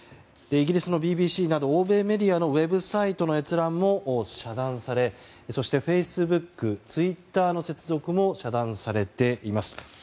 イギリスのＢＢＣなど欧米メディアのウェブサイトも閲覧も遮断されそしてフェイスブックツイッターの接続も遮断されています。